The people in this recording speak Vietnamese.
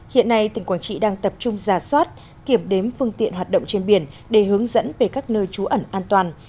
hiện nay tỉnh quảng trị đang tập trung giả soát kiểm đếm phương tiện hoạt động trên biển để hướng dẫn về các nơi trú ẩn an toàn